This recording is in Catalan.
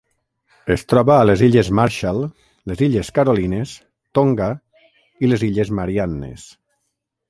Es troba a les Illes Marshall, les Illes Carolines, Tonga i les Illes Mariannes.